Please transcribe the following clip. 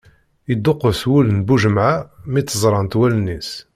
Ydduqes wul n Buǧemεa mi tt-ẓrant wallen-is.